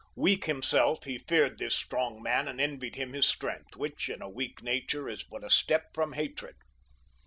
Weak himself, he feared this strong man and envied him his strength, which, in a weak nature, is but a step from hatred.